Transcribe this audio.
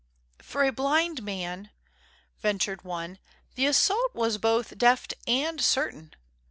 "For a blind man," ventured one, "the assault was both deft and certain.